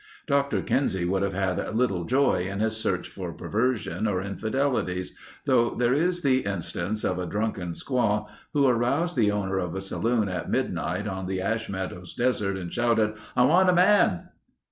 Dr. Kinsey would have had little joy in his search for perversion or infidelities, though there is the instance of a drunken squaw who aroused the owner of a saloon at midnight on the Ash Meadows desert and shouted: "I want a man...."